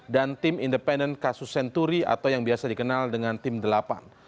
dan tim independen kasus senturi atau yang biasa dikenal dengan tim delapan